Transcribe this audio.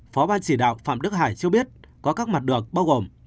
phó ban chỉ đạo phạm đức hải cho biết có các mặt được bao gồm